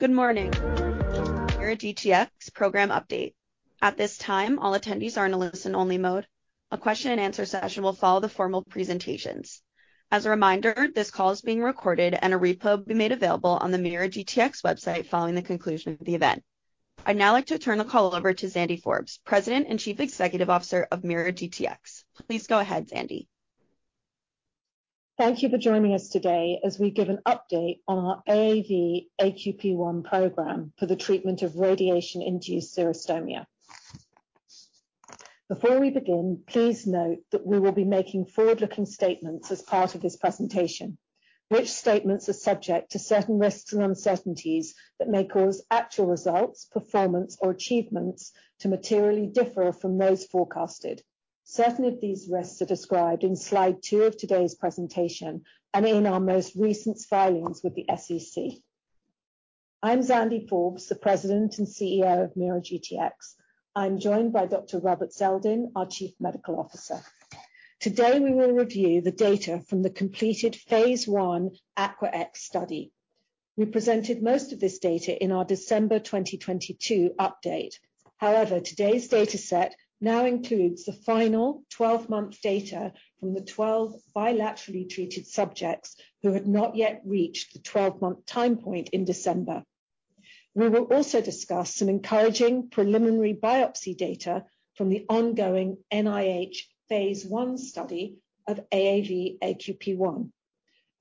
Good morning, MeiraGTx program update. At this time, all attendees are in a listen-only mode. A question and answer session will follow the formal presentations. As a reminder, this call is being recorded, and a replay will be made available on the MeiraGTx website following the conclusion of the event. I'd now like to turn the call over to Alexandria Forbes, President and Chief Executive Officer of MeiraGTx. Please go ahead, Zandy. Thank you for joining us today as we give an update on our AAV-AQP1 program for the treatment of radiation-induced xerostomia. Before we begin, please note that we will be making forward-looking statements as part of this presentation, which statements are subject to certain risks and uncertainties that may cause actual results, performance, or achievements to materially differ from those forecasted. Certain of these risks are described in slide two of today's presentation and in our most recent filings with the SEC. I'm Zandy Forbes, the President and CEO of MeiraGTx. I'm joined by Dr. Robert Zeldin, our Chief Medical Officer. Today, we will review the data from the completed Phase 1 AQUAx study. We presented most of this data in our December 2022 update. Today's dataset now includes the final 12-month data from the 12 bilaterally treated subjects who had not yet reached the 12-month time point in December. We will also discuss some encouraging preliminary biopsy data from the ongoing NIH phase 1 study of AAV AQP1,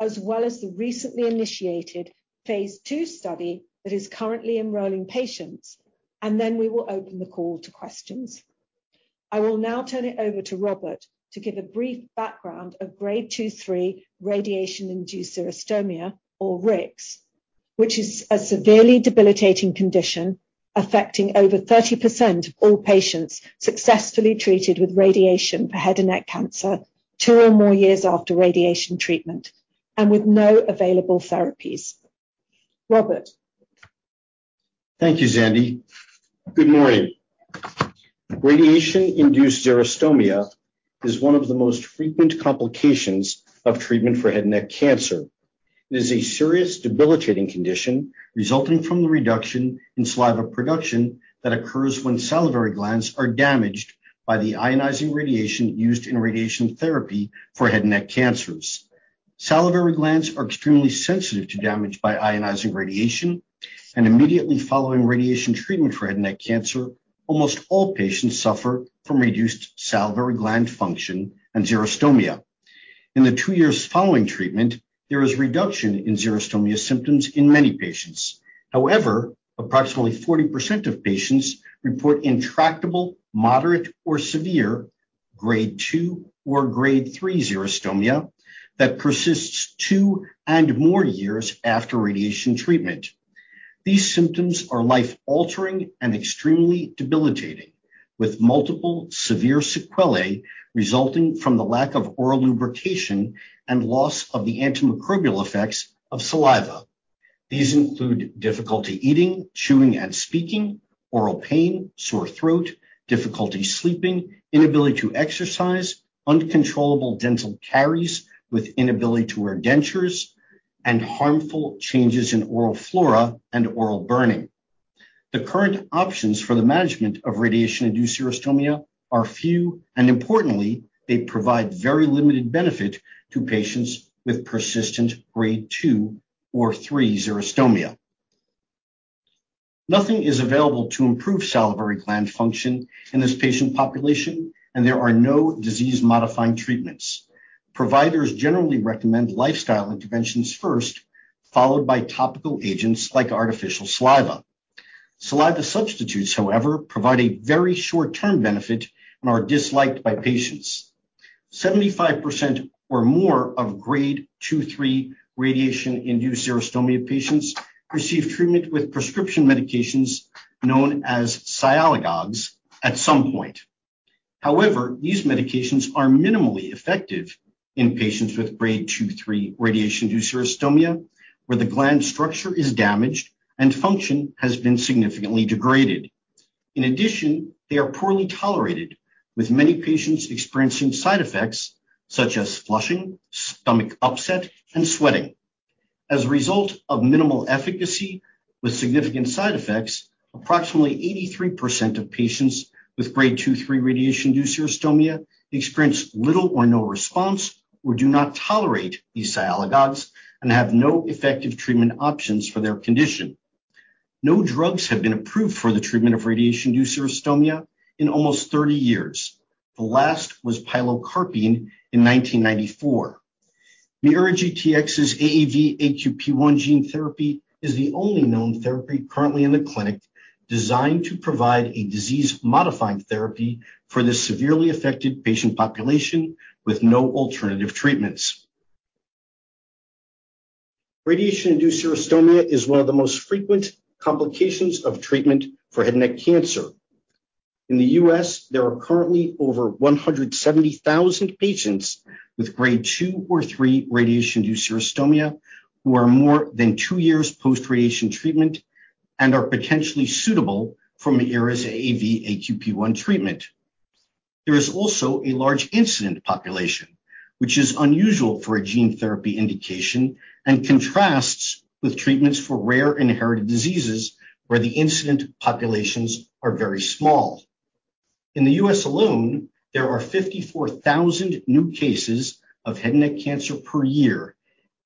as well as the recently initiated phase 2 study that is currently enrolling patients, and then we will open the call to questions. I will now turn it over to Robert to give a brief background of grade 2/3 radiation-induced xerostomia or RIX, which is a severely debilitating condition affecting over 30% of all patients successfully treated with radiation for head and neck cancer 2 or more years after radiation treatment and with no available therapies. Robert. Thank you, Zandy. Good morning. Radiation-induced xerostomia is one of the most frequent complications of treatment for head and neck cancer. It is a serious, debilitating condition resulting from the reduction in saliva production that occurs when salivary glands are damaged by the ionizing radiation used in radiation therapy for head and neck cancers. Salivary glands are extremely sensitive to damage by ionizing radiation, and immediately following radiation treatment for head and neck cancer, almost all patients suffer from reduced salivary gland function and xerostomia. In the 2 years following treatment, there is a reduction in xerostomia symptoms in many patients. However, approximately 40% of patients report intractable, moderate, or severe grade 2 or grade 3 xerostomia that persists 2 and more years after radiation treatment. These symptoms are life-altering and extremely debilitating, with multiple severe sequelae resulting from the lack of oral lubrication and loss of the antimicrobial effects of saliva. These include difficulty eating, chewing, and speaking, oral pain, sore throat, difficulty sleeping, inability to exercise, uncontrollable dental caries with inability to wear dentures, and harmful changes in oral flora and oral burning. The current options for the management of radiation-induced xerostomia are few, and importantly, they provide very limited benefit to patients with persistent grade two or three xerostomia. Nothing is available to improve salivary gland function in this patient population, and there are no disease-modifying treatments. Providers generally recommend lifestyle interventions first, followed by topical agents like artificial saliva. Saliva substitutes, however, provide a very short-term benefit and are disliked by patients. 75% or more of grade 2/3 radiation-induced xerostomia patients receive treatment with prescription medications known as sialagogues at some point. These medications are minimally effective in patients with grade 2/3 radiation-induced xerostomia, where the gland structure is damaged and function has been significantly degraded. They are poorly tolerated, with many patients experiencing side effects such as flushing, stomach upset, and sweating. As a result of minimal efficacy with significant side effects, approximately 83% of patients with grade 2/3 radiation-induced xerostomia experience little or no response or do not tolerate these sialagogues and have no effective treatment options for their condition. No drugs have been approved for the treatment of radiation-induced xerostomia in almost 30 years. The last was pilocarpine in 1994. MeiraGTx's AAV-AQP1 gene therapy is the only known therapy currently in the clinic designed to provide a disease-modifying therapy for this severely affected patient population with no alternative treatments. radiation-induced xerostomia is one of the most frequent complications of treatment for head and neck cancer. In the US, there are currently over 170,000 patients with grade 2 or 3 radiation-induced xerostomia, who are more than two years post-radiation treatment and are potentially suitable for MeiraGTx's AAV-AQP1 treatment. There is also a large incident population, which is unusual for a gene therapy indication and contrasts with treatments for rare inherited diseases, where the incident populations are very small. In the U.S. alone, there are 54,000 new cases of head and neck cancer per year,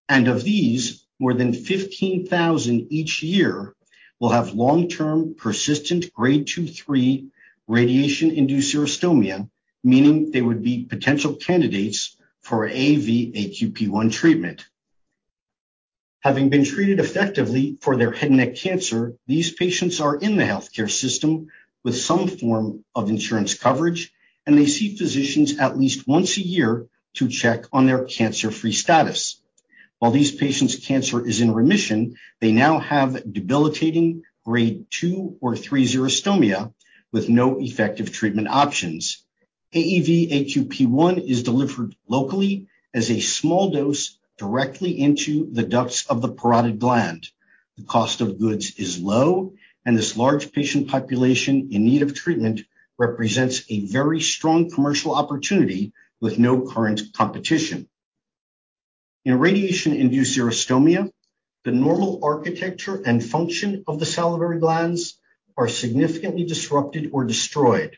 and of these, more than 15,000 each year will have long-term persistent grade two/three radiation-induced xerostomia, meaning they would be potential candidates for AAV-AQP1 treatment. Having been treated effectively for their head and neck cancer, these patients are in the healthcare system with some form of insurance coverage, and they see physicians at least once a year to check on their cancer-free status. While these patients' cancer is in remission, they now have debilitating grade two or three xerostomia with no effective treatment options. AAV-AQP1 is delivered locally as a small dose directly into the ducts of the parotid gland. The cost of goods is low, and this large patient population in need of treatment represents a very strong commercial opportunity with no current competition. In radiation-induced xerostomia, the normal architecture and function of the salivary glands are significantly disrupted or destroyed.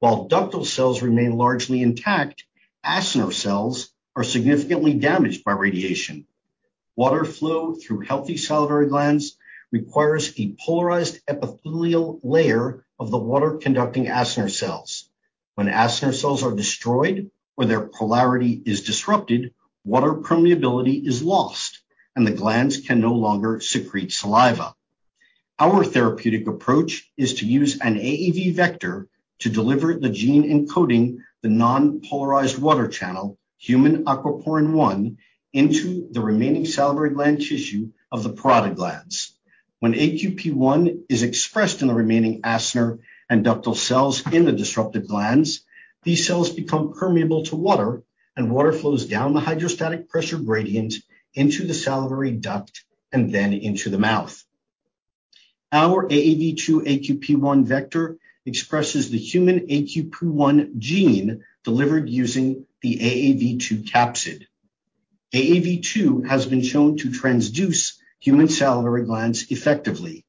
While ductal cells remain largely intact, acinar cells are significantly damaged by radiation. Water flow through healthy salivary glands requires a polarized epithelial layer of the water-conducting acinar cells. When acinar cells are destroyed or their polarity is disrupted, water permeability is lost, and the glands can no longer secrete saliva. Our therapeutic approach is to use an AAV vector to deliver the gene encoding the non-polarized water channel, human aquaporin 1, into the remaining salivary gland tissue of the parotid glands. When AQP1 is expressed in the remaining acinar and ductal cells in the disrupted glands, these cells become permeable to water, and water flows down the hydrostatic pressure gradient into the salivary duct and then into the mouth. Our AAV2-AQP1 vector expresses the human AQP1 gene delivered using the AAV2 capsid. AAV2 has been shown to transduce human salivary glands effectively.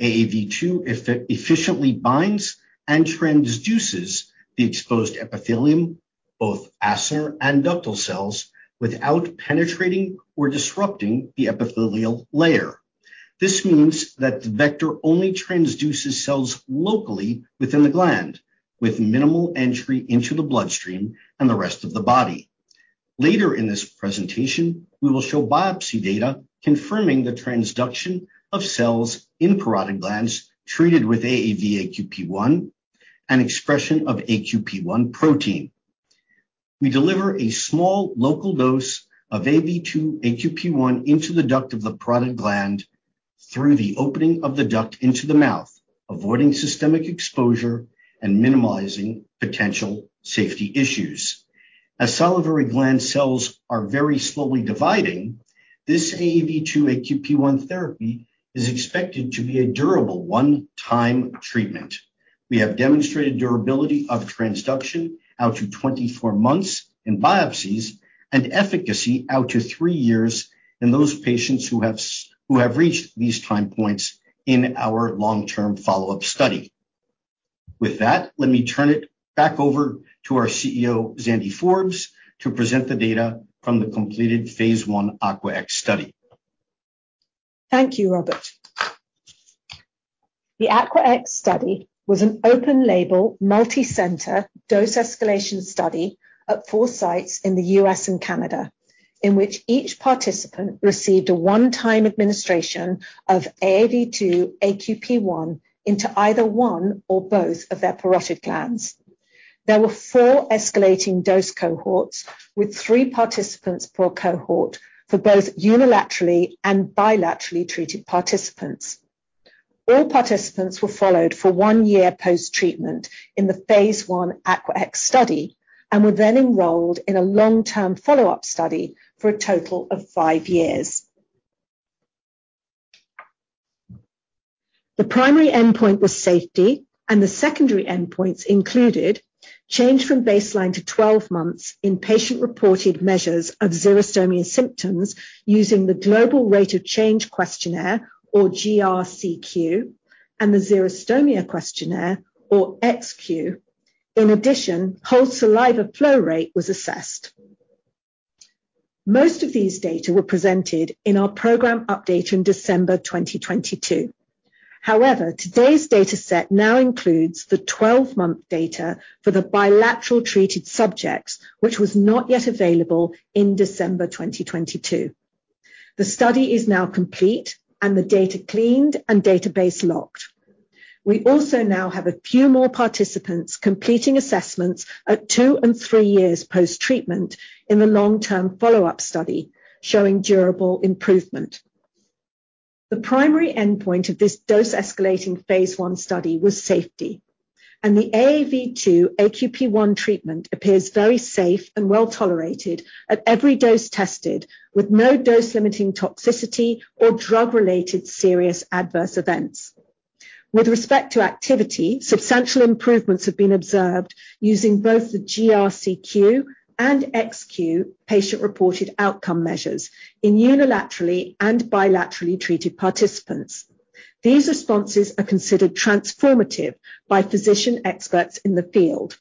AAV2 efficiently binds and transduces the exposed epithelium, both acinar and ductal cells, without penetrating or disrupting the epithelial layer. This means that the vector only transduces cells locally within the gland, with minimal entry into the bloodstream and the rest of the body. Later in this presentation, we will show biopsy data confirming the transduction of cells in parotid glands treated with AAV-AQP1 and expression of AQP1 protein. We deliver a small local dose of AAV2-AQP1 into the duct of the parotid gland through the opening of the duct into the mouth, avoiding systemic exposure and minimizing potential safety issues. Salivary gland cells are very slowly dividing, this AAV2-AQP1 therapy is expected to be a durable one-time treatment. We have demonstrated durability of transduction out to 24 months in biopsies and efficacy out to 3 years in those patients who have reached these time points in our long-term follow-up study. Let me turn it back over to our CEO, Zandi Forbes, to present the data from the completed phase 1 AQUAx study. Thank you, Robert. The AQUAx study was an open-label, multi-center dose escalation study at four sites in the US and Canada, in which each participant received a one-time administration of AAV2-hAQP1 into either one or both of their parotid glands. There were four escalating dose cohorts, with three participants per cohort for both unilaterally and bilaterally treated participants. All participants were followed for one year post-treatment in the phase 1 AQUAx study and were then enrolled in a long-term follow-up study for a total of five years. The primary endpoint was safety, and the secondary endpoints included: change from baseline to 12 months in patient-reported measures of xerostomia symptoms using the Global Rate of Change Questionnaire or GRCQ, and the Xerostomia Questionnaire or XQ. In addition, whole saliva flow rate was assessed. Most of these data were presented in our program update in December 2022. However, today's dataset now includes the 12-month data for the bilateral-treated subjects, which was not yet available in December 2022. The study is now complete, and the data cleaned and database locked. We also now have a few more participants completing assessments at 2 and 3 years post-treatment in the long-term follow-up study, showing durable improvement. The primary endpoint of this dose-escalating Phase 1 study was safety, and the AAV2-hAQP1 treatment appears very safe and well-tolerated at every dose tested, with no dose-limiting toxicity or drug-related serious adverse events. With respect to activity, substantial improvements have been observed using both the GRCQ and XQ patient-reported outcome measures in unilaterally and bilaterally treated participants. These responses are considered transformative by physician experts in the field.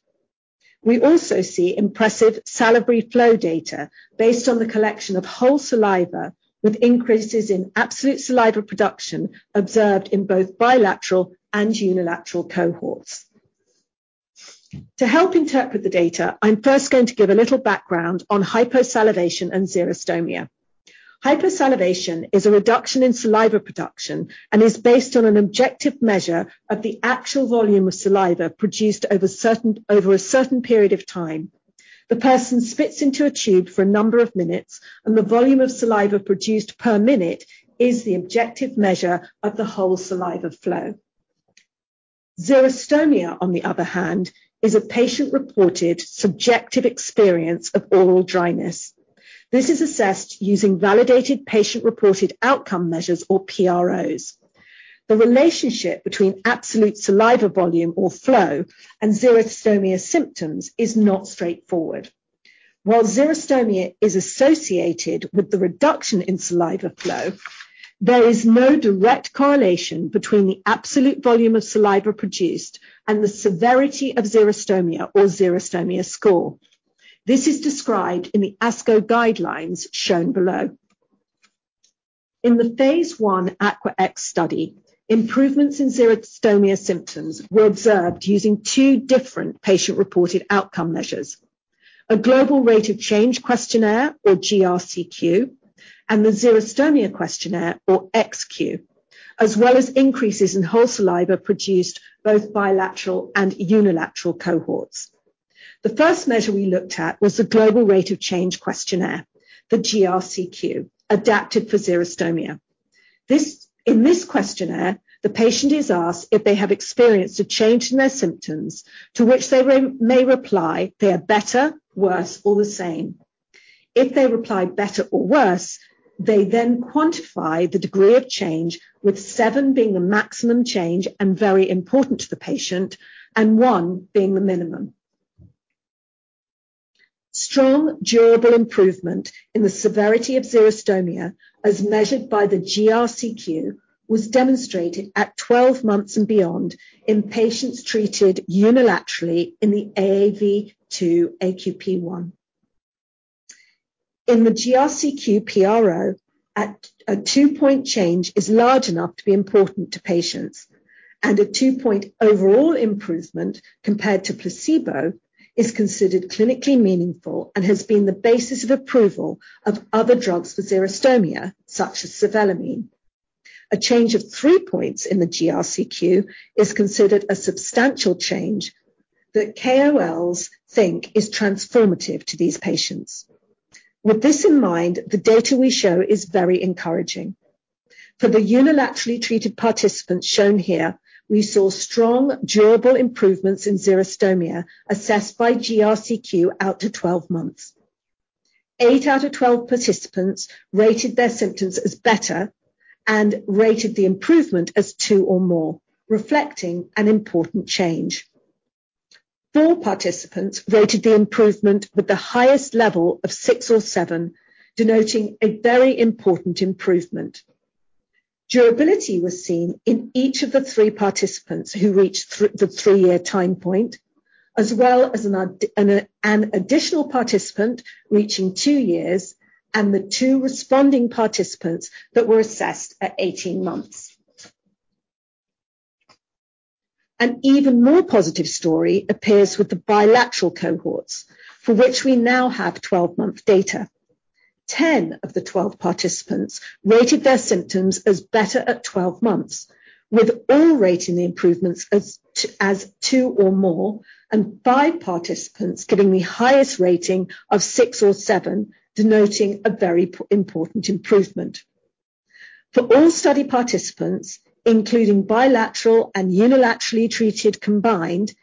We also see impressive salivary flow data based on the collection of whole saliva, with increases in absolute saliva production observed in both bilateral and unilateral cohorts. To help interpret the data, I'm first going to give a little background on hyposalivation and xerostomia. Hyposalivation is a reduction in saliva production and is based on an objective measure of the actual volume of saliva produced over a certain period of time. The person spits into a tube for a number of minutes, and the volume of saliva produced per minute is the objective measure of the whole saliva flow. Xerostomia, on the other hand, is a patient-reported subjective experience of oral dryness. This is assessed using validated patient-reported outcome measures or PROs. The relationship between absolute saliva volume or flow and xerostomia symptoms is not straightforward. While xerostomia is associated with the reduction in saliva flow, there is no direct correlation between the absolute volume of saliva produced and the severity of xerostomia or xerostomia score. This is described in the ASCO guidelines shown below. In the Phase 1 AQUAx study, improvements in xerostomia symptoms were observed using 2 different patient-reported outcome measures: a Global Rate of Change Questionnaire, or GRCQ, and the Xerostomia Questionnaire, or XQ, as well as increases in whole saliva produced, both bilateral and unilateral cohorts. The first measure we looked at was the Global Rate of Change Questionnaire, the GRCQ, adapted for xerostomia. In this questionnaire, the patient is asked if they have experienced a change in their symptoms, to which they may reply, they are better, worse, or the same. If they reply better or worse, they then quantify the degree of change, with 7 being the maximum change and very important to the patient, and 1 being the minimum. Strong, durable improvement in the severity of xerostomia, as measured by the GRCQ, was demonstrated at 12 months and beyond in patients treated unilaterally in the AAV2-AQP1. In the GRCQ PRO, at a 2-point change is large enough to be important to patients, and a 2-point overall improvement compared to placebo is considered clinically meaningful and has been the basis of approval of other drugs for xerostomia, such as cevimeline. A change of 3 points in the GRCQ is considered a substantial change that KOLs think is transformative to these patients. With this in mind, the data we show is very encouraging. For the unilaterally treated participants shown here, we saw strong, durable improvements in xerostomia assessed by GRCQ out to 12 months. 8 out of 12 participants rated their symptoms as better and rated the improvement as 2 or more, reflecting an important change. 4 participants rated the improvement with the highest level of 6 or 7, denoting a very important improvement. Durability was seen in each of the 3 participants who reached the 3-year time point, as well as an additional participant reaching 2 years, and the 2 responding participants that were assessed at 18 months. An even more positive story appears with the bilateral cohorts, for which we now have 12-month data. 10 of the 12 participants rated their symptoms as better at 12 months, with all rating the improvements as 2 or more, and 5 participants giving the highest rating of 6 or 7, denoting a very important improvement. For all study participants, including bilateral and unilaterally treated combined,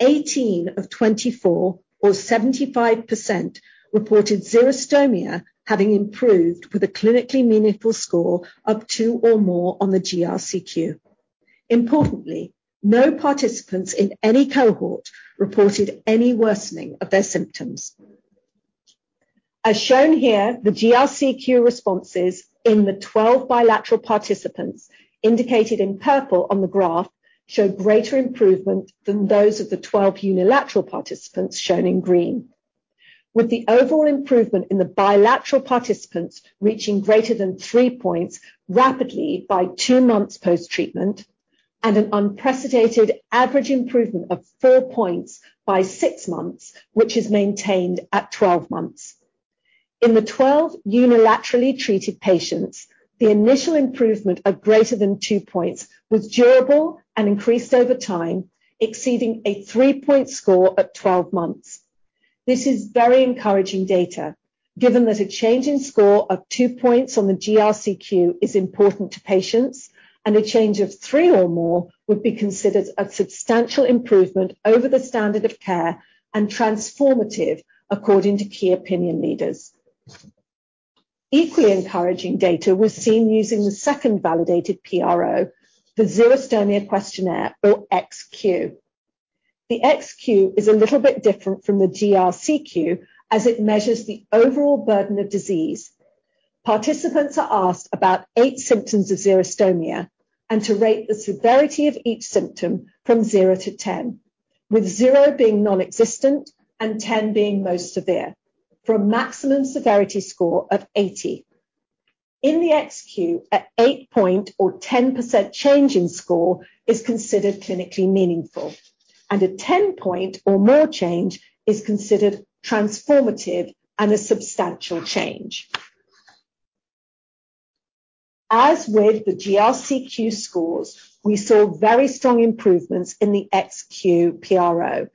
18 of 24, or 75%, reported xerostomia having improved with a clinically meaningful score of 2 or more on the GRCQ. Importantly, no participants in any cohort reported any worsening of their symptoms. As shown here, the GRCQ responses in the 12 bilateral participants, indicated in purple on the graph, show greater improvement than those of the 12 unilateral participants shown in green. With the overall improvement in the bilateral participants reaching greater than 3 points rapidly by 2 months post-treatment, and an unprecedented average improvement of 4 points by 6 months, which is maintained at 12 months. In the 12 unilaterally treated patients, the initial improvement of greater than 2 points was durable and increased over time, exceeding a 3-point score at 12 months. This is very encouraging data, given that a change in score of two points on the GRCQ is important to patients, and a change of three or more would be considered a substantial improvement over the standard of care and transformative, according to key opinion leaders. Equally encouraging data was seen using the second validated PRO, the Xerostomia Questionnaire, or XQ. The XQ is a little bit different from the GRCQ, as it measures the overall burden of disease. Participants are asked about eight symptoms of xerostomia and to rate the severity of each symptom from 0 to 10, with 0 being nonexistent and 10 being most severe, for a maximum severity score of 80. In the XQ, an 8-point or 10% change in score is considered clinically meaningful, and a 10-point or more change is considered transformative and a substantial change. As with the GRCQ scores, we saw very strong improvements in the XQ PRO.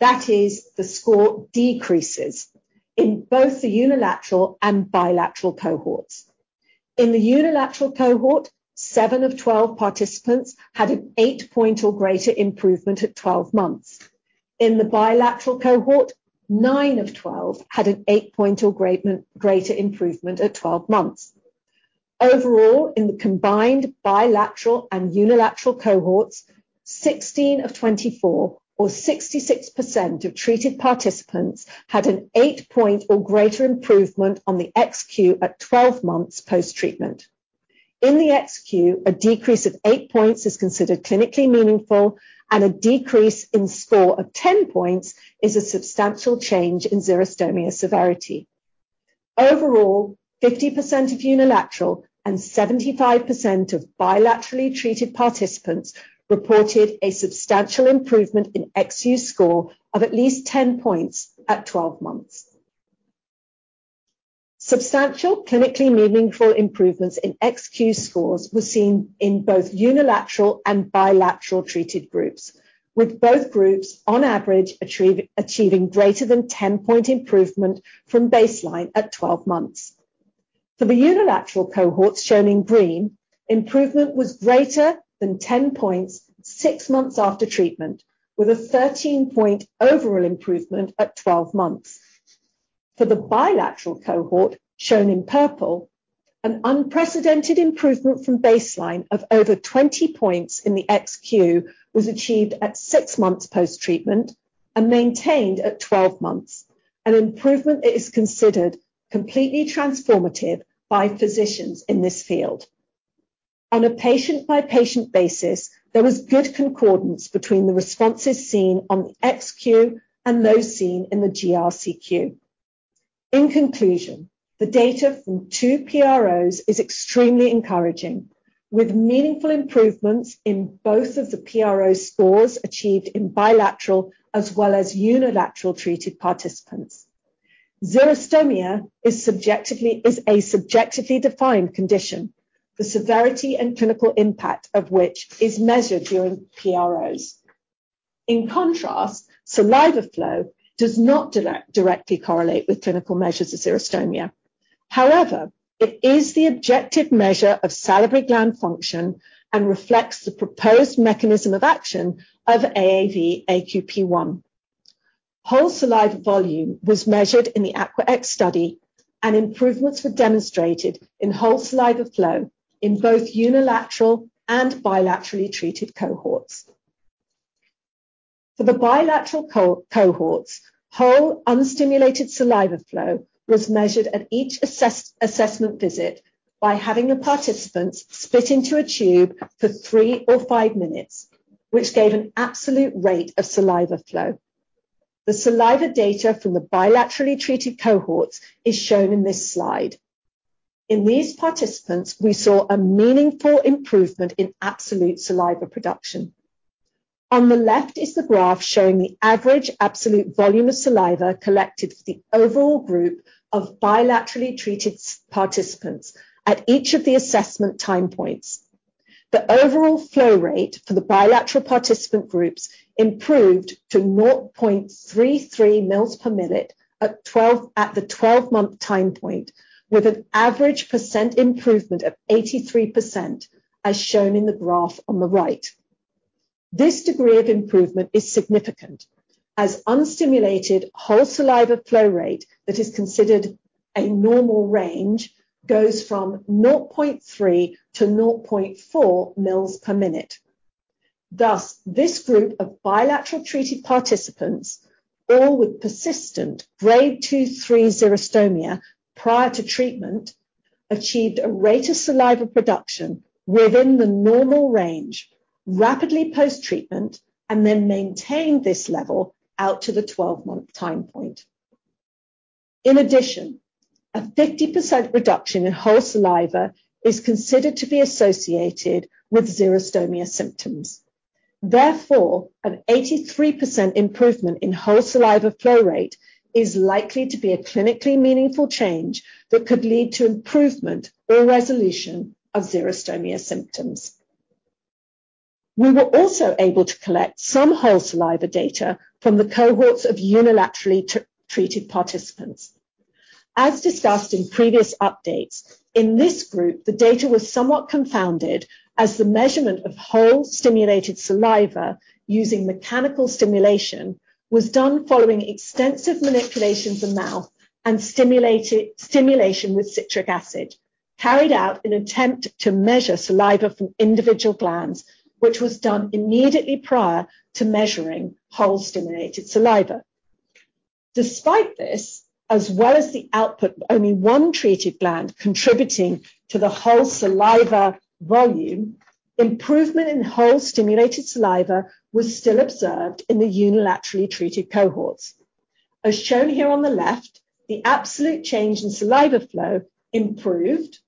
That is, the score decreases in both the unilateral and bilateral cohorts. In the unilateral cohort, 7 of 12 participants had an 8-point or greater improvement at 12 months. In the bilateral cohort, 9 of 12 had an 8-point or greater improvement at 12 months. Overall, in the combined bilateral and unilateral cohorts, 16 of 24, or 66% of treated participants, had an 8-point or greater improvement on the XQ at 12 months post-treatment. In the XQ, a decrease of 8 points is considered clinically meaningful, and a decrease in score of 10 points is a substantial change in xerostomia severity. Overall, 50% of unilateral and 75% of bilaterally treated participants reported a substantial improvement in XQ score of at least 10 points at 12 months. Substantial clinically meaningful improvements in XQ scores were seen in both unilateral and bilateral treated groups, with both groups, on average, achieving greater than 10-point improvement from baseline at 12 months. For the unilateral cohorts, shown in green, improvement was greater than 10 points 6 months after treatment, with a 13-point overall improvement at 12 months. For the bilateral cohort, shown in purple, an unprecedented improvement from baseline of over 20 points in the XQ was achieved at 6 months post-treatment and maintained at 12 months, an improvement that is considered completely transformative by physicians in this field. On a patient-by-patient basis, there was good concordance between the responses seen on the XQ and those seen in the GRCQ. In conclusion, the data from 2 PROs is extremely encouraging, with meaningful improvements in both of the PRO scores achieved in bilateral as well as unilateral-treated participants. Xerostomia is a subjectively defined condition, the severity and clinical impact of which is measured during PROs. In contrast, saliva flow does not directly correlate with clinical measures of xerostomia. However, it is the objective measure of salivary gland function and reflects the proposed mechanism of action of AAV AQP1. Whole saliva volume was measured in the AQUAx study, and improvements were demonstrated in whole saliva flow in both unilateral and bilaterally treated cohorts. For the bilateral cohorts, whole unstimulated saliva flow was measured at each assessment visit by having the participants spit into a tube for three or five minutes, which gave an absolute rate of saliva flow. The saliva data from the bilaterally treated cohorts is shown in this slide. In these participants, we saw a meaningful improvement in absolute saliva production. On the left is the graph showing the average absolute volume of saliva collected for the overall group of bilaterally treated participants at each of the assessment time points. The overall flow rate for the bilateral participant groups improved to 0.33 mils per minute at the 12-month time point, with an average percent improvement of 83%, as shown in the graph on the right. This degree of improvement is significant, as unstimulated whole saliva flow rate that is considered a normal range goes from 0.3 to 0.4 mils per minute. Thus, this group of bilateral-treated participants, all with persistent grade 2/3 xerostomia prior to treatment, achieved a rate of saliva production within the normal range rapidly post-treatment and then maintained this level out to the 12-month time point. In addition, a 50% reduction in whole saliva is considered to be associated with xerostomia symptoms. Therefore, an 83% improvement in whole saliva flow rate is likely to be a clinically meaningful change that could lead to improvement or resolution of xerostomia symptoms. We were also able to collect some whole saliva data from the cohorts of unilaterally treated participants. As discussed in previous updates. In this group, the data was somewhat confounded, as the measurement of whole stimulated saliva using mechanical stimulation was done following extensive manipulations of the mouth and stimulated stimulation with citric acid, carried out in attempt to measure saliva from individual glands, which was done immediately prior to measuring whole stimulated saliva. Despite this, as well as the output, only 1 treated gland contributing to the whole saliva volume, improvement in whole stimulated saliva was still observed in the unilaterally treated cohorts. As shown here on the left, the absolute change in saliva flow improved,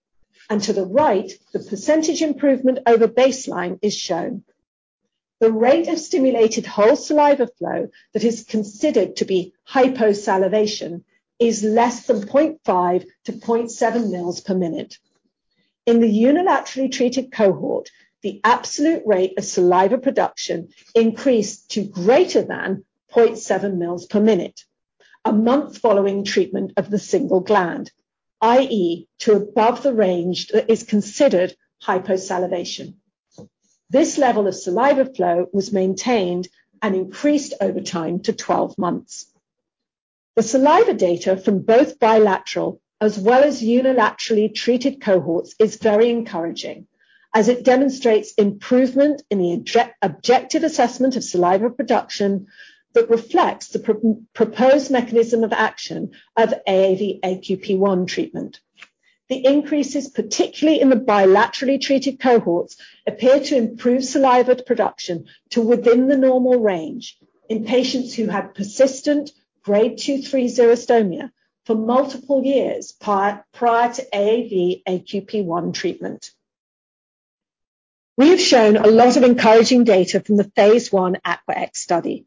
and to the right, the percentage improvement over baseline is shown. The rate of stimulated whole saliva flow that is considered to be hyposalivation is less than 0.5 to 0.7 mils per minute. In the unilaterally treated cohort, the absolute rate of saliva production increased to greater than 0.7 mils per minute, a month following treatment of the single gland, i.e., to above the range that is considered hyposalivation. This level of saliva flow was maintained and increased over time to 12 months. The saliva data from both bilateral as well as unilaterally treated cohorts is very encouraging, as it demonstrates improvement in the objective assessment of saliva production that reflects the proposed mechanism of action of AAV-AQP1 treatment. The increases, particularly in the bilaterally treated cohorts, appear to improve saliva production to within the normal range in patients who had persistent grade 2, 3 xerostomia for multiple years prior to AAV-AQP1 treatment. We have shown a lot of encouraging data from the Phase 1 AQUAx study,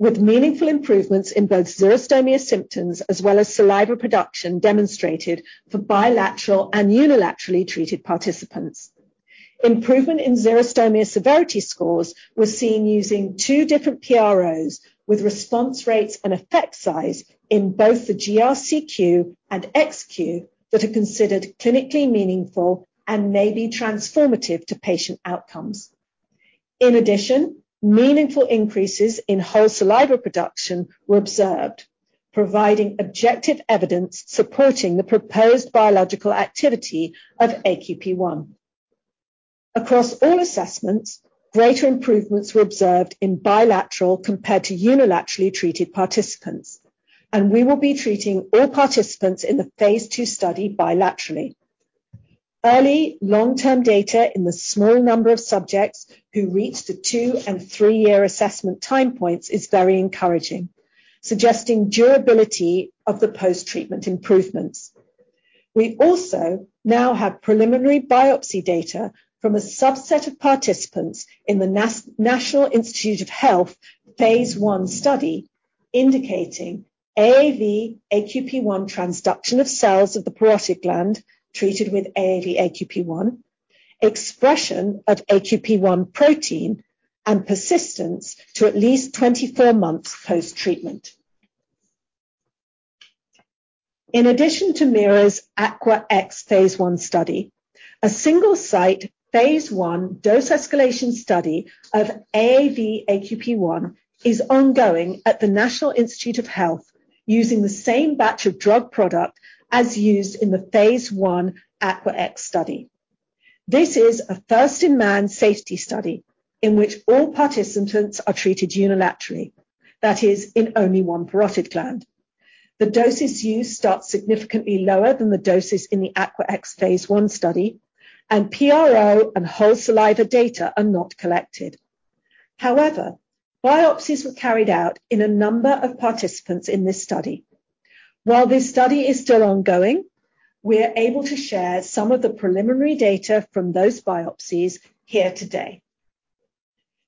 with meaningful improvements in both xerostomia symptoms as well as saliva production demonstrated for bilateral and unilaterally treated participants. Improvement in xerostomia severity scores was seen using two different PROs, with response rates and effect size in both the GRCQ and XQ that are considered clinically meaningful and may be transformative to patient outcomes. In addition, meaningful increases in whole saliva production were observed, providing objective evidence supporting the proposed biological activity of AQP1. Across all assessments, greater improvements were observed in bilateral compared to unilaterally treated participants. We will be treating all participants in the phase 2 study bilaterally. Early long-term data in the small number of subjects who reached the 2 and 3-year assessment time points is very encouraging, suggesting durability of the post-treatment improvements. We also now have preliminary biopsy data from a subset of participants in the National Institutes of Health phase 1 study, indicating AAV-AQP1 transduction of cells of the parotid gland treated with AAV-AQP1, expression of AQP1 protein, and persistence to at least 24 months post-treatment. In addition to MeiraGTx's AQUAx phase 1 study, a single-site, phase 1 dose escalation study of AAV-AQP1 is ongoing at the National Institutes of Health, using the same batch of drug product as used in the AQUAx phase 1 study. This is a first-in-man safety study in which all participants are treated unilaterally. That is, in only one parotid gland. The doses used start significantly lower than the doses in the AQUAx phase 1 study, and PRO and whole saliva data are not collected. Biopsies were carried out in a number of participants in this study. While this study is still ongoing, we are able to share some of the preliminary data from those biopsies here today.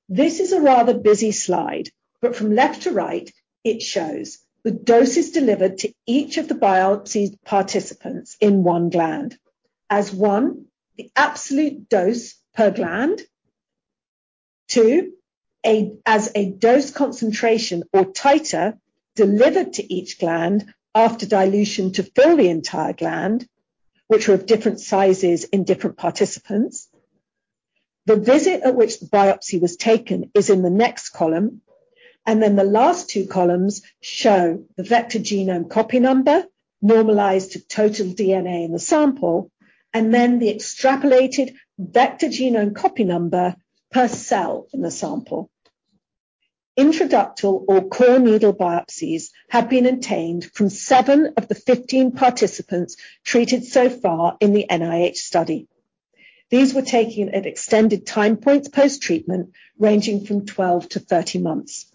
This is a rather busy slide. From left to right, it shows the doses delivered to each of the biopsied participants in one gland. As 1, the absolute dose per gland. 2, as a dose concentration or titer delivered to each gland after dilution to fill the entire gland, which were of different sizes in different participants. The visit at which the biopsy was taken is in the next column, and then the last 2 columns show the vector genome copy number normalized to total DNA in the sample, and then the extrapolated vector genome copy number per cell in the sample. Intraductal or core needle biopsies have been obtained from 7 of the 15 participants treated so far in the NIH study. These were taken at extended time points post-treatment, ranging from 12 to 13 months.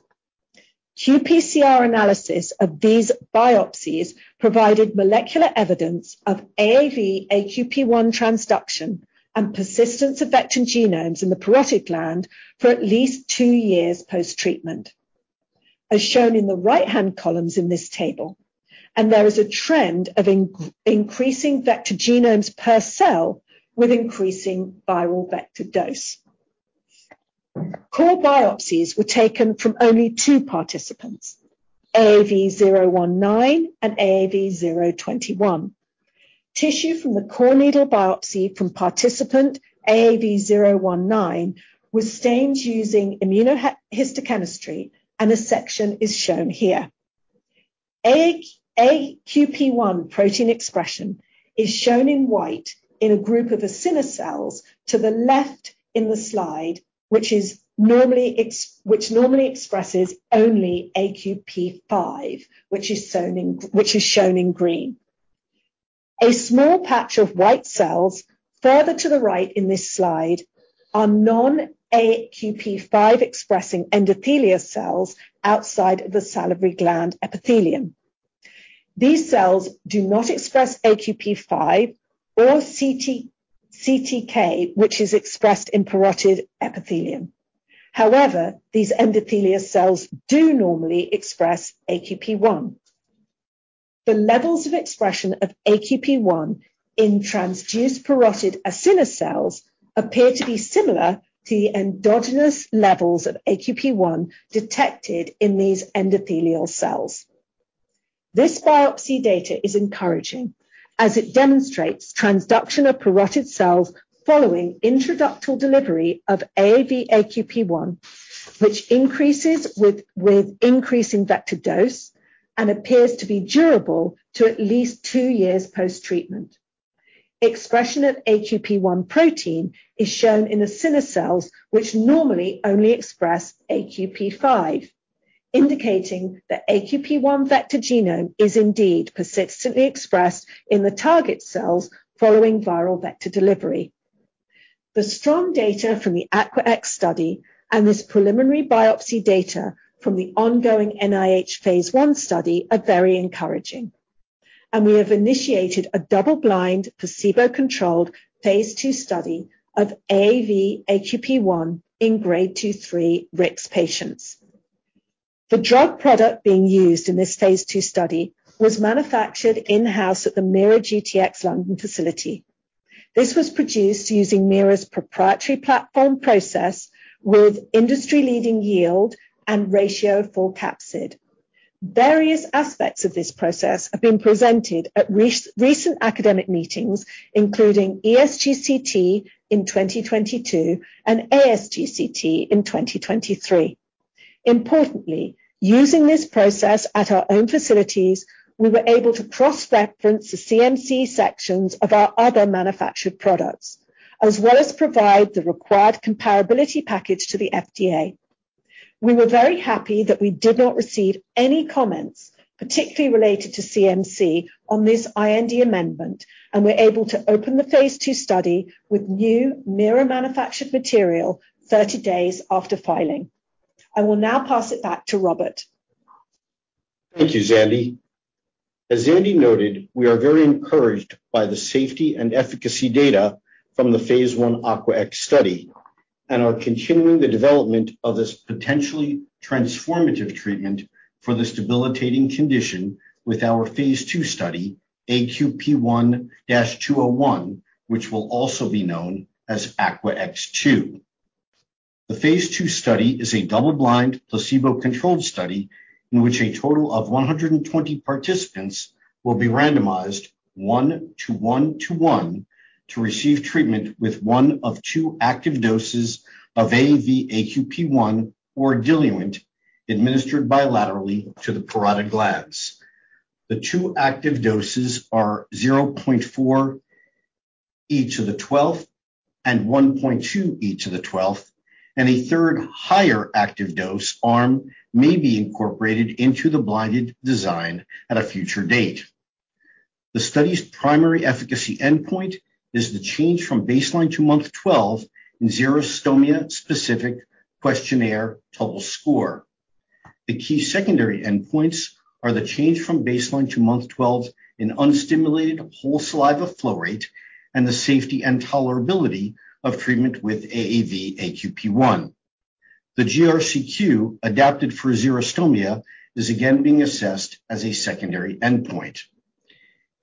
qPCR analysis of these biopsies provided molecular evidence of AAV-AQP1 transduction and persistence of vector genomes in the parotid gland for at least 2 years post-treatment, as shown in the right-hand columns in this table. There is a trend of increasing vector genomes per cell with increasing viral vector dose. Core biopsies were taken from only 2 participants, AAV-019 and AAV-021. Tissue from the core needle biopsy from participant AAV-019 was stained using immunohistochemistry. A section is shown here. AQP1 protein expression is shown in white in a group of acinar cells to the left in the slide, which normally expresses only AQP5, which is shown in green. A small patch of white cells further to the right in this slide are non-AQP5-expressing endothelial cells outside the salivary gland epithelium. These cells do not express AQP5 or CK7, which is expressed in parotid epithelium. However, these endothelial cells do normally express AQP1. The levels of expression of AQP1 in transduced parotid acinar cells appear to be similar to the endogenous levels of AQP1 detected in these endothelial cells. This biopsy data is encouraging, as it demonstrates transduction of parotid cells following introductal delivery of AAV-AQP1, which increases with increasing vector dose and appears to be durable to at least 2 years post-treatment. Expression of AQP1 protein is shown in acinar cells, which normally only express AQP5, indicating that AQP1 vector genome is indeed persistently expressed in the target cells following viral vector delivery. The strong data from the AQUAx study and this preliminary biopsy data from the ongoing NIH Phase 1 study are very encouraging. We have initiated a double-blind, placebo-controlled Phase 2 study of AAV-AQP1 in grade 2/3 RIX patients. The drug product being used in this Phase 2 study was manufactured in-house at the MeiraGTx London facility. This was produced using Meira's proprietary platform process with industry-leading yield and ratio for capsid. Various aspects of this process have been presented at recent academic meetings, including ESGCT in 2022 and ASTCT in 2023. Importantly, using this process at our own facilities, we were able to cross-reference the CMC sections of our other manufactured products, as well as provide the required comparability package to the FDA. We were very happy that we did not receive any comments, particularly related to CMC, on this IND amendment, and we're able to open the phase 2 study with new Meira manufactured material 30 days after filing. I will now pass it back to Robert. Thank you, Zandy. As Zandy noted, we are very encouraged by the safety and efficacy data from the Phase 1 AQUAx study and are continuing the development of this potentially transformative treatment for this debilitating condition with our Phase 2 study, AQP1-201, which will also be known as AQUAx2. The Phase 2 study is a double-blind, placebo-controlled study in which a total of 120 participants will be randomized, 1:1:1, to receive treatment with one of two active doses of AAV-AQP1 or diluent administered bilaterally to the parotid glands. The two active doses are 0.4E12 and 1.2E12, and a third higher active dose arm may be incorporated into the blinded design at a future date. The study's primary efficacy endpoint is the change from baseline to month 12 in xerostomia-specific questionnaire total score. The key secondary endpoints are the change from baseline to month 12 in unstimulated whole saliva flow rate and the safety and tolerability of treatment with AAV-AQP1. The GRCQ, adapted for xerostomia, is again being assessed as a secondary endpoint.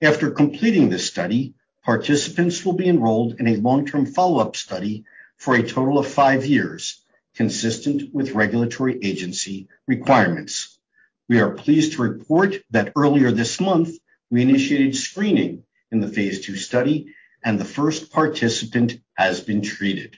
After completing this study, participants will be enrolled in a long-term follow-up study for a total of five years, consistent with regulatory agency requirements. We are pleased to report that earlier this month, we initiated screening in the phase 2 study, and the first participant has been treated.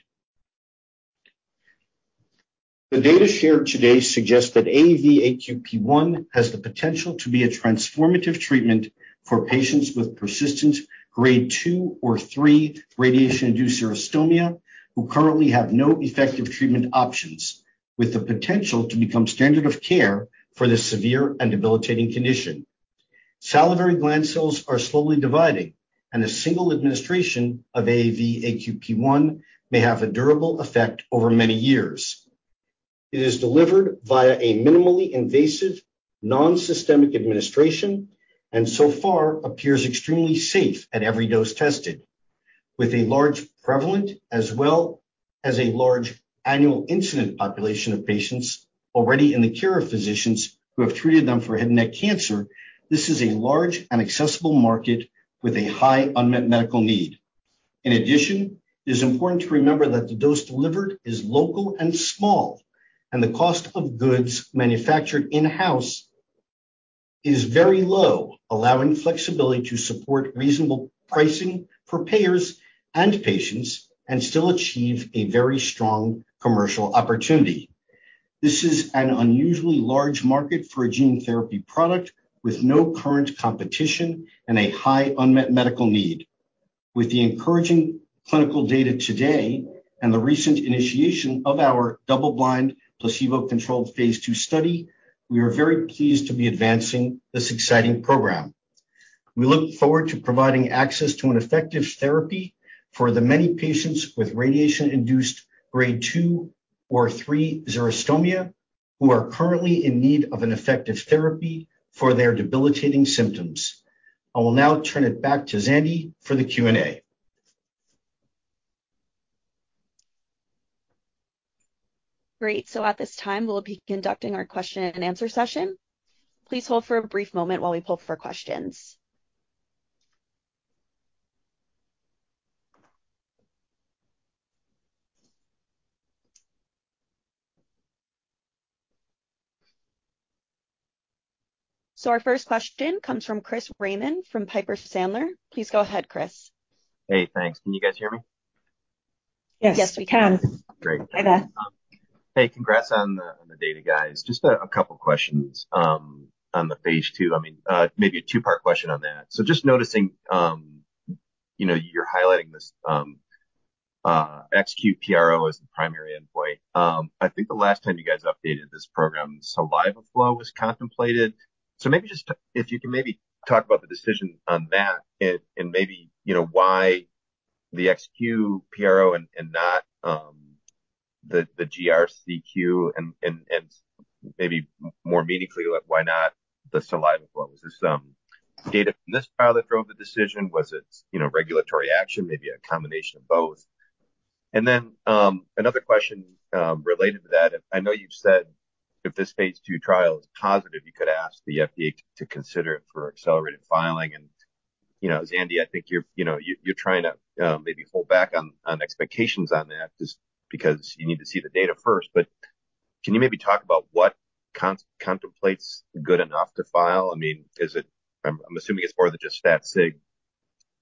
The data shared today suggests that AAV-AQP1 has the potential to be a transformative treatment for patients with persistent grade 2 or 3 radiation-induced xerostomia, who currently have no effective treatment options, with the potential to become standard of care for this severe and debilitating condition. Salivary gland cells are slowly dividing, and a single administration of AAV-AQP1 may have a durable effect over many years. It is delivered via a minimally invasive, non-systemic administration and so far appears extremely safe at every dose tested. With a large prevalent as well as a large annual incident population of patients already in the care of physicians who have treated them for head and neck cancer, this is a large and accessible market with a high unmet medical need. In addition, it is important to remember that the dose delivered is local and small, and the cost of goods manufactured in-house is very low, allowing flexibility to support reasonable pricing for payers and patients, and still achieve a very strong commercial opportunity. This is an unusually large market for a gene therapy product, with no current competition and a high unmet medical need. With the encouraging clinical data today and the recent initiation of our double-blind, placebo-controlled phase 2 study, we are very pleased to be advancing this exciting program. We look forward to providing access to an effective therapy for the many patients with radiation-induced grade 2 or 3 xerostomia, who are currently in need of an effective therapy for their debilitating symptoms. I will now turn it back to Zandy for the Q&A. Great. At this time, we'll be conducting our question and answer session. Please hold for a brief moment while we pull for questions. Our first question comes from Chris Raymond from Piper Sandler. Please go ahead, Chris. Hey, thanks. Can you guys hear me? Yes. Yes, we can. Great. Hi there. Hey, congrats on the data, guys. Just a couple of questions on the phase 2. I mean, maybe a 2-part question on that. Just noticing, you know, you're highlighting this XQ PRO as the primary endpoint. I think the last time you guys updated this program, saliva flow was contemplated. So maybe just if you can maybe talk about the decision on that, and maybe, you know, why the XQ PRO and not the GRCQ, and maybe more medically, why not the saliva flow? Was this data from this trial that drove the decision? Was it, you know, regulatory action? Maybe a combination of both. Another question related to that. I know you've said if this phase 2 trial is positive, you could ask the FDA to consider it for accelerated filing. You know, Zandy, I think you're, you know, you're trying to maybe hold back on expectations on that just because you need to see the data first. Can you maybe talk about what contemplates good enough to file? I mean, is it? I'm assuming it's more than just stat sig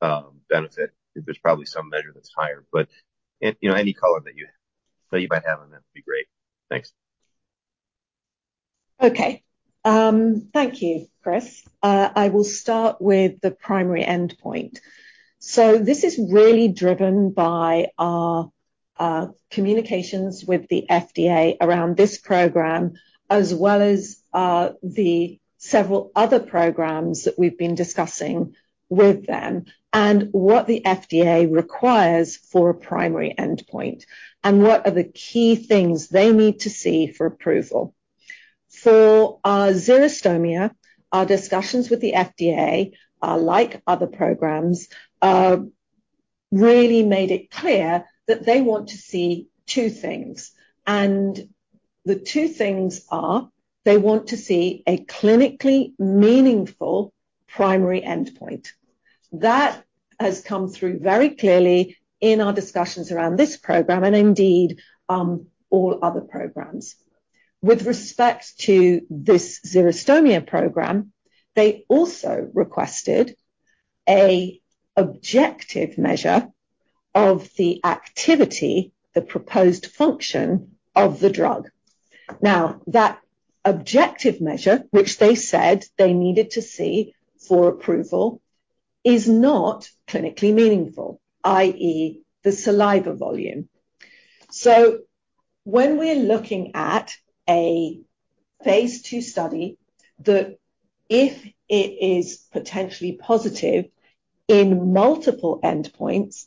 benefit. There's probably some measure that's higher, but, you know, any color that you might have on that would be great. Thanks. Thank you, Chris. I will start with the primary endpoint. This is really driven by our communications with the FDA around this program, as well as the several other programs that we've been discussing with them, and what the FDA requires for a primary endpoint, and what are the key things they need to see for approval. For our xerostomia, our discussions with the FDA, like other programs, really made it clear that they want to see two things, and the two things are: they want to see a clinically meaningful primary endpoint. That has come through very clearly in our discussions around this program and indeed, all other programs. With respect to this xerostomia program, they also requested a objective measure of the activity, the proposed function of the drug. That objective measure, which they said they needed to see for approval, is not clinically meaningful, i.e., the saliva volume. When we're looking at a phase 2 study, that if it is potentially positive in multiple endpoints,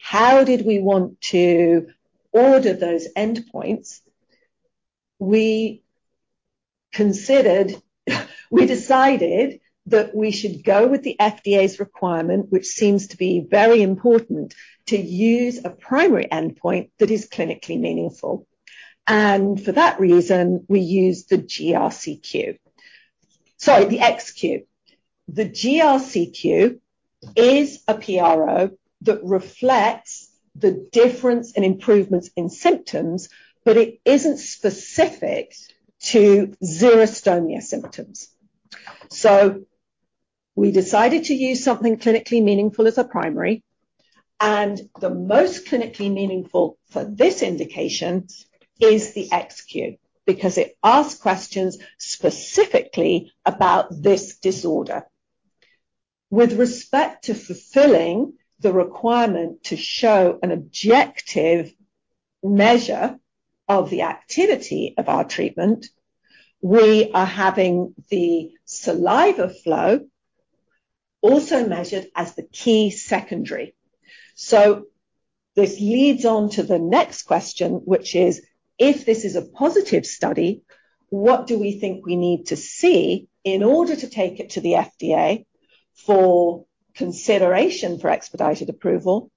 how did we want to order those endpoints? We decided that we should go with the FDA's requirement, which seems to be very important, to use a primary endpoint that is clinically meaningful. For that reason, we use the GRCQ. Sorry, the XQ. The GRCQ is a PRO that reflects the difference in improvements in symptoms, but it isn't specific to xerostomia symptoms. We decided to use something clinically meaningful as a primary, and the most clinically meaningful for this indication is the XQ, because it asks questions specifically about this disorder. With respect to fulfilling the requirement to show an objective measure of the activity of our treatment, we are having the saliva flow also measured as the key secondary. This leads on to the next question, which is: if this is a positive study, what do we think we need to see in order to take it to the FDA for consideration for expedited approval?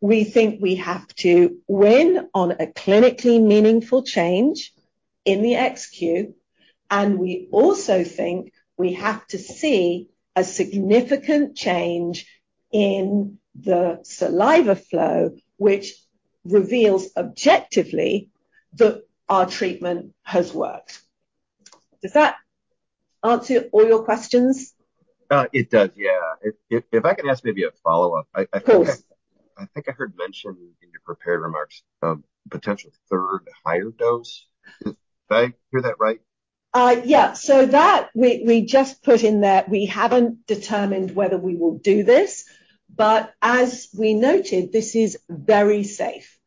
We think we have to win on a clinically meaningful change in the XQ, and we also think we have to see a significant change in the saliva flow, which reveals objectively that our treatment has worked. Does that answer all your questions? it does, yeah. If I can ask maybe a follow-up. Of course. I think I heard mentioned in your prepared remarks, potential third higher dose. Did I hear that right? Yeah. That we just put in there, we haven't determined whether we will do this, but as we noted, this is very safe.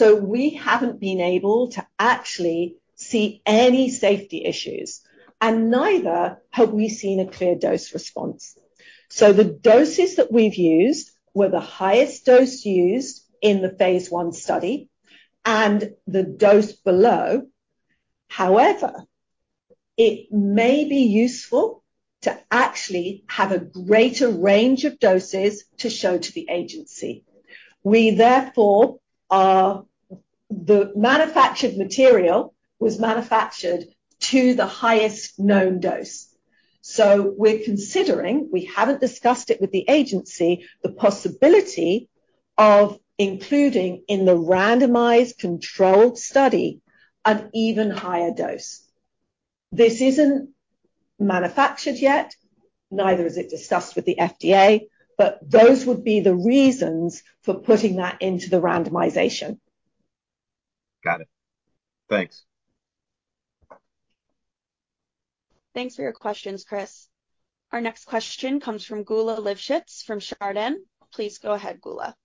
We haven't been able to actually see any safety issues, and neither have we seen a clear dose response. The doses that we've used were the highest dose used in the Phase 1 study and the dose below. However, it may be useful to actually have a greater range of doses to show to the agency. The manufactured material was manufactured to the highest known dose, so we're considering, we haven't discussed it with the agency, the possibility of including in the randomized controlled study, an even higher dose. This isn't manufactured yet, neither is it discussed with the FDA, but those would be the reasons for putting that into the randomization. Got it. Thanks. Thanks for your questions, Chris. Our next question comes from Geulah Livshits from Chardan. Please go ahead, Gula.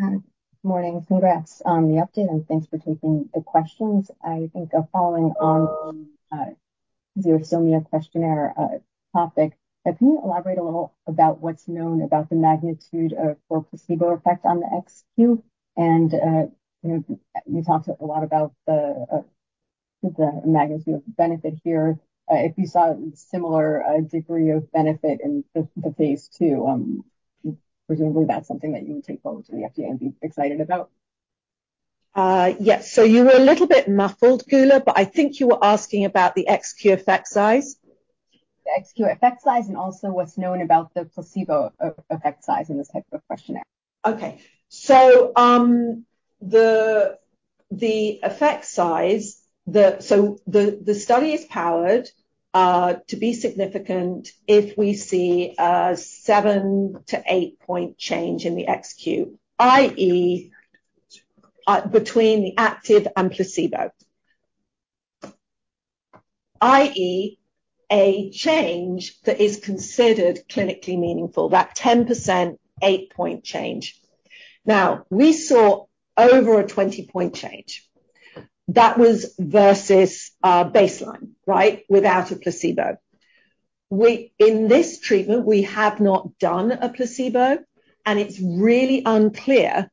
Hi. Morning. Congrats on the update, thanks for taking the questions. I think following on the Xerostomia Questionnaire topic, can you elaborate a little about what's known about the magnitude of placebo effect on the XQ? You know, you talked a lot about the magnitude of benefit here. If you saw a similar degree of benefit in the Phase 2, presumably that's something that you would take forward to the FDA and be excited about. Yes. You were a little bit muffled, Geulah, but I think you were asking about the XQ effect size. The XQ effect size, and also what's known about the placebo effect size in this type of questionnaire. Okay. The effect size, the study is powered to be significant if we see a 7-8-point change in the XQ, i.e., between the active and placebo, i.e., a change that is considered clinically meaningful, that 10%, 8-point change. We saw over a 20-point change. That was versus baseline, right? Without a placebo. We, in this treatment, we have not done a placebo, and it's really unclear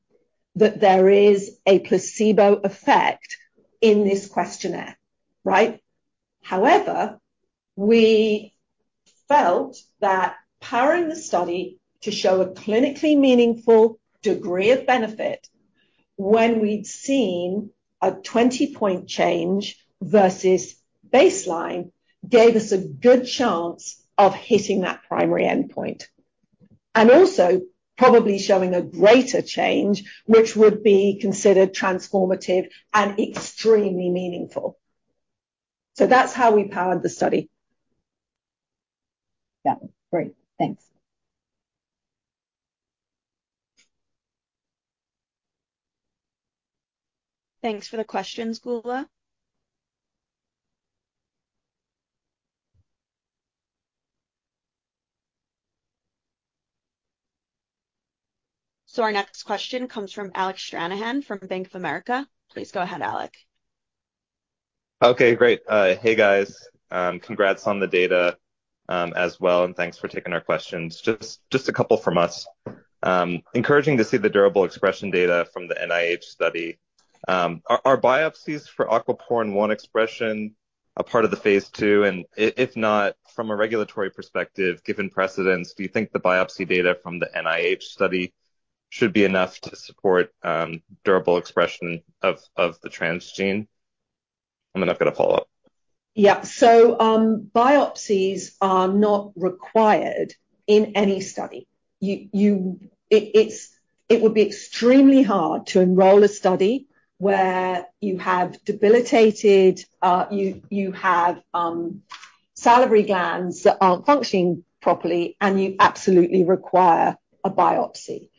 that there is a placebo effect in this questionnaire, right? However, we felt that powering the study to show a clinically meaningful degree of benefit when we'd seen a 20-point change versus baseline, gave us a good chance of hitting that primary endpoint, and also probably showing a greater change, which would be considered transformative and extremely meaningful. That's how we powered the study. Yeah. Great. Thanks. Thanks for the questions, Geulah. Our next question comes from Alec Stranahan from Bank of America. Please go ahead, Alec. Okay, great. Hey, guys. Congrats on the data, as well, and thanks for taking our questions. Just a couple from us. Encouraging to see the durable expression data from the NIH study. Are biopsies for aquaporin 1 expression a part of the phase 2? If not, from a regulatory perspective, given precedents, do you think the biopsy data from the NIH study should be enough to support durable expression of the transgene? I've got a follow-up. Biopsies are not required in any study. It would be extremely hard to enroll a study where you have debilitated, you have salivary glands that aren't functioning properly, and you absolutely require a biopsy.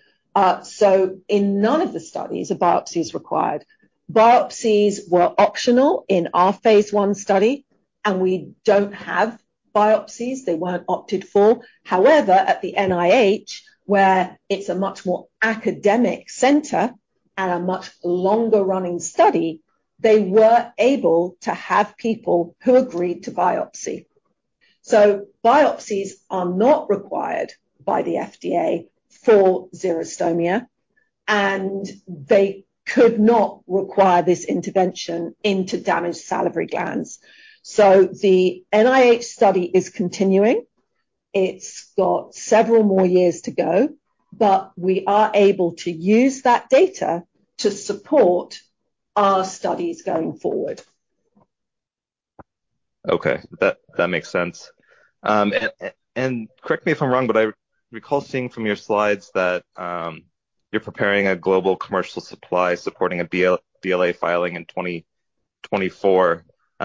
In none of the studies, a biopsy is required. Biopsies were optional in our phase 1 study, and we don't have biopsies. They weren't opted for. At the NIH, where it's a much more academic center and a much longer running study, they were able to have people who agreed to biopsy. Biopsies are not required by the FDA for xerostomia, and they could not require this intervention into damaged salivary glands. The NIH study is continuing. It's got several more years to go, but we are able to use that data to support our studies going forward. Okay, that makes sense. Correct me if I'm wrong, but I recall seeing from your slides that you're preparing a global commercial supply, supporting a BLA filing in 2024.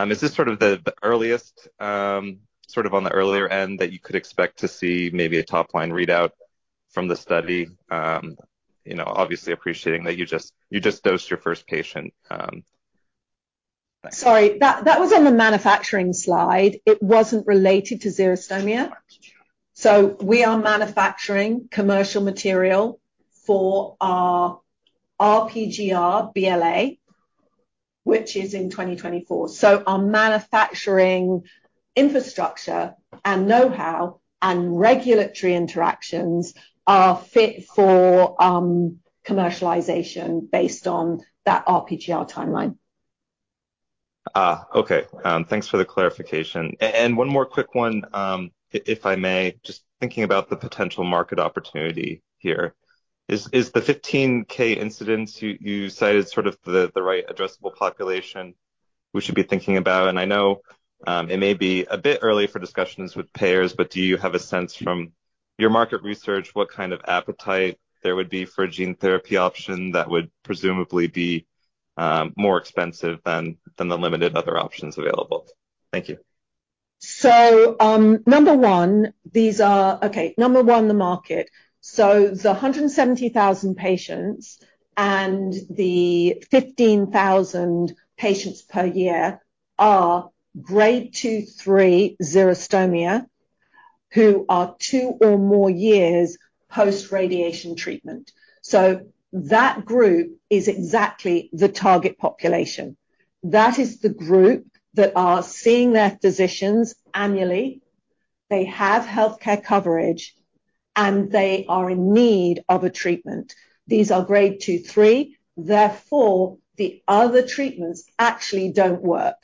Is this sort of the earliest, sort of on the earlier end that you could expect to see maybe a top-line readout from the study? You know, obviously appreciating that you just dosed your first patient. Sorry, that was on the manufacturing slide. It wasn't related to xerostomia. We are manufacturing commercial material for our RPGR BLA, which is in 2024. Our manufacturing infrastructure and know-how, and regulatory interactions are fit for commercialization based on that RPGR timeline. Okay. Thanks for the clarification. And one more quick one, if I may, just thinking about the potential market opportunity here. Is the 15K incidents you cited sort of the right addressable population we should be thinking about? I know, it may be a bit early for discussions with payers, but do you have a sense from your market research, what kind of appetite there would be for a gene therapy option that would presumably be more expensive than the limited other options available? Thank you. Number one, the market. The 170,000 patients and the 15,000 patients per year are grade 2, 3 xerostomia, who are 2 or more years post-radiation treatment. That group is exactly the target population. That is the group that are seeing their physicians annually, they have healthcare coverage, and they are in need of a treatment. These are grade 2, 3, therefore, the other treatments actually don't work.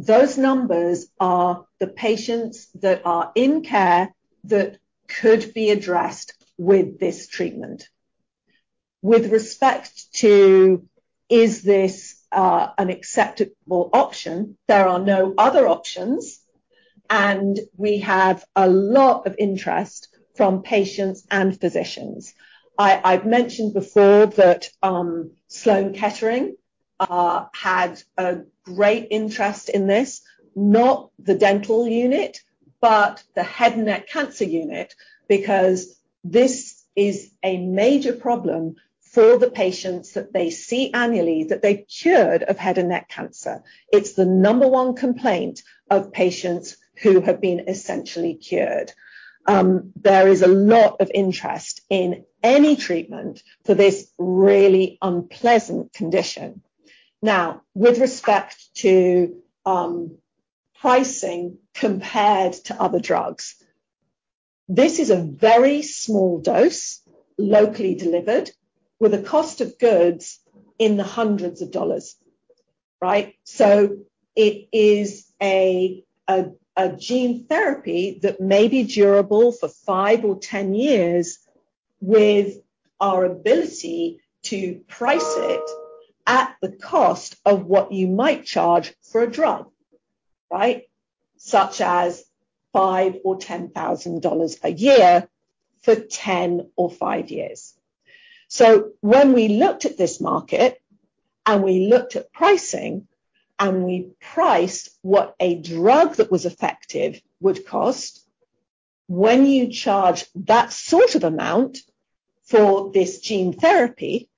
Those numbers are the patients that are in care that could be addressed with this treatment. With respect to, is this an acceptable option? There are no other options, and we have a lot of interest from patients and physicians. I've mentioned before that Sloan Kettering had a great interest in this, not the dental unit, but the head and neck cancer unit, because this is a major problem for the patients that they see annually, that they've cured of head and neck cancer. It's the number one complaint of patients who have been essentially cured. There is a lot of interest in any treatment for this really unpleasant condition. Now, with respect to pricing compared to other drugs, this is a very small dose, locally delivered, with a cost of goods in the hundreds of dollars, right? It is a gene therapy that may be durable for 5 or 10 years, with our ability to price it at the cost of what you might charge for a drug, right? Such as $5,000 or $10,000 a year for 10 or 5 years. When we looked at this market and we looked at pricing, and we priced what a drug that was effective would cost, when you charge that sort of amount for this gene therapy,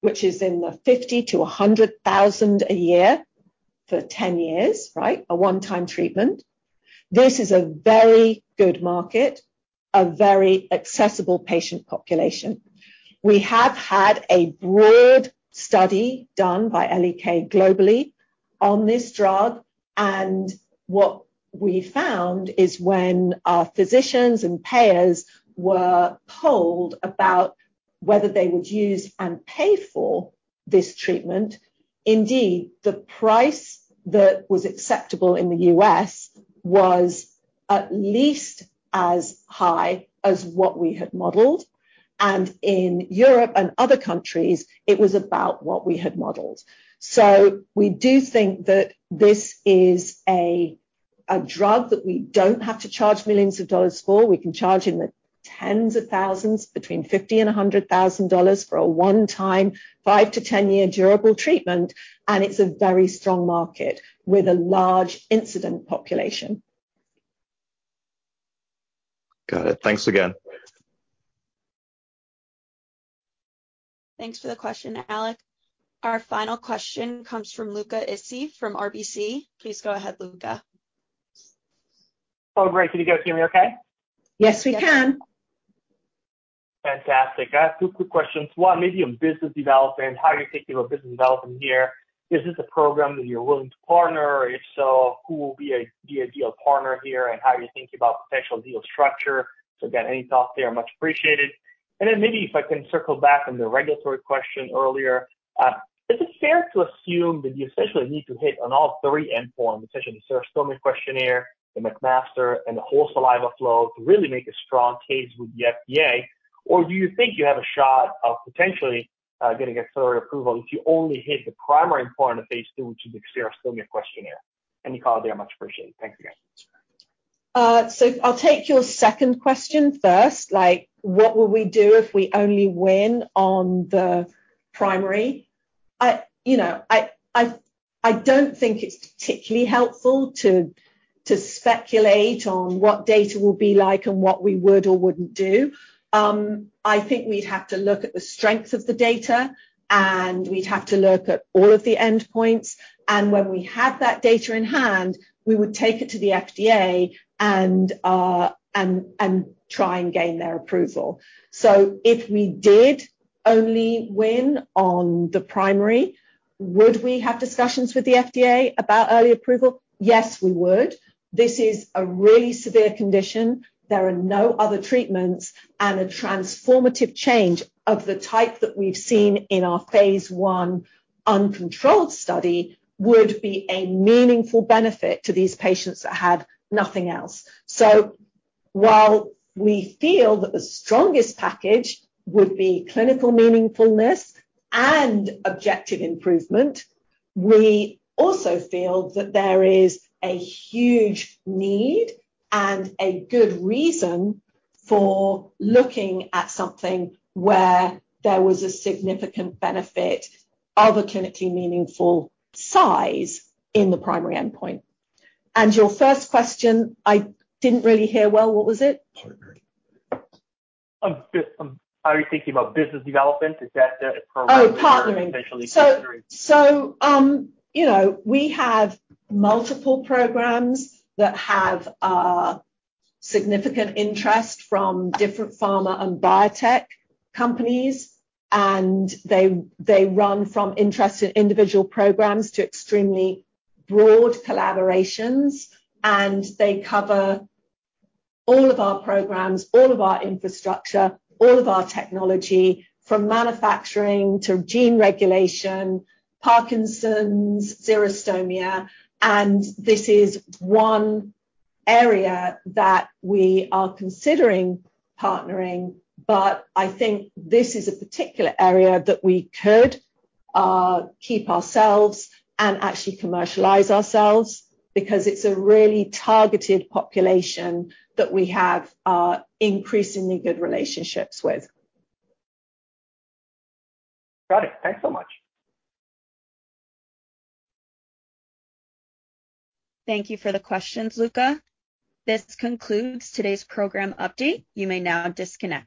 which is in the $50,000-$100,000 a year for 10 years, right? A one-time treatment. This is a very good market, a very accessible patient population. We have had a broad study done by L.E.K. globally on this drug, and what we found is when our physicians and payers were polled about whether they would use and pay for this treatment, indeed, the price that was acceptable in the U.S. was at least as high as what we had modeled, and in Europe and other countries, it was about what we had modeled. We do think that this is a drug that we don't have to charge $ millions of dollars for. We can charge in the $ tens of thousands, between $50,000 and $100,000 for a 1-time, 5-10 year durable treatment, and it's a very strong market with a large incident population. Got it. Thanks again. Thanks for the question, Alec. Our final question comes from Luca Issi from RBC. Please go ahead, Luca. Oh, great. Can you guys hear me okay? Yes, we can. Yes. Fantastic. I have 2 quick questions. One, maybe on business development. How are you thinking about business development here? Is this a program that you're willing to partner? If so, who will be an ideal partner here, and how are you thinking about potential deal structure? Again, any thoughts there are much appreciated. Maybe if I can circle back on the regulatory question earlier. Is it fair to assume that you essentially need to hit on all 3 endpoints, essentially the Xerostomia Questionnaire, the McMaster, and the whole saliva flow, to really make a strong case with the FDA? Do you think you have a shot of potentially getting accelerated approval if you only hit the primary endpoint in the phase 2, which is the Xerostomia Questionnaire? Any call there, much appreciated. Thank you, guys. I'll take your second question first. Like, what will we do if we only win on the primary? I, you know, I don't think it's particularly helpful to speculate on what data will be like and what we would or wouldn't do. I think we'd have to look at the strength of the data, and we'd have to look at all of the endpoints, and when we have that data in hand, we would take it to the FDA and try and gain their approval. If we did only win on the primary, would we have discussions with the FDA about early approval? Yes, we would. This is a really severe condition. There are no other treatments, and a transformative change of the type that we've seen in our phase 1 uncontrolled study would be a meaningful benefit to these patients that have nothing else. While we feel that the strongest package would be clinical meaningfulness and objective improvement, we also feel that there is a huge need and a good reason for looking at something where there was a significant benefit of a clinically meaningful size in the primary endpoint. Your first question, I didn't really hear well, what was it? Partnering. Just, how are you thinking about business development? Is that the program-? Oh, partnering. Potentially partnering. You know, we have multiple programs that have significant interest from different pharma and biotech companies, and they run from interest in individual programs to extremely broad collaborations, and they cover all of our programs, all of our infrastructure, all of our technology, from manufacturing to gene regulation, Parkinson's, xerostomia, and this is one area that we are considering partnering. I think this is a particular area that we could keep ourselves and actually commercialize ourselves because it's a really targeted population that we have increasingly good relationships with. Got it. Thanks so much. Thank you for the questions, Luca. This concludes today's program update. You may now disconnect.